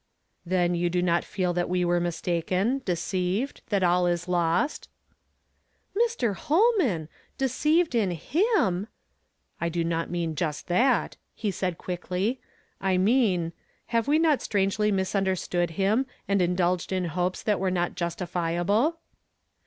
"Then you do not feel that we were mistaken, deceived, that all is lost?" "Mr. Holman! deceived in Him!'' " I do not mean just that," he said quickly. » I mean, — Have we not strangely misunderstood him, and indulged in hopes that were not justifi able